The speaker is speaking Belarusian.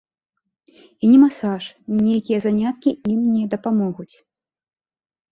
І ні масаж, ні нейкія заняткі ім не дапамогуць.